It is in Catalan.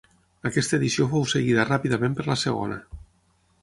Aquesta edició fou seguida ràpidament per la segona.